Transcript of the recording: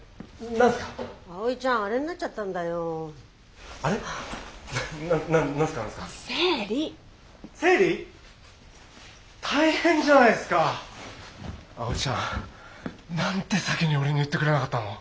何で先に俺に言ってくれなかったの？